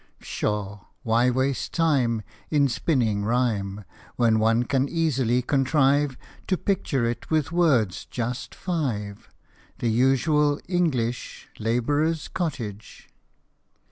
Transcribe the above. Pshaw ! why waste time In spinning rhyme, When one can easily contrive To picture it with words just five ? The usual " English labourer's cottage."